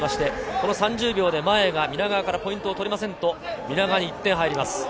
３０秒で前が皆川からポイントを取らないと皆川に１点入ります。